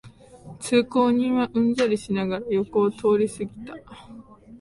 通行人はうんざりしながら横を通りすぎた